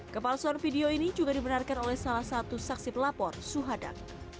kepalsuan video ini juga dibenarkan oleh salah satu saksi pelapor suhadang